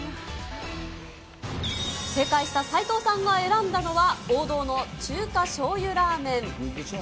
正解した斎藤さんが選んだのは、王道の中華醤油ラーメン。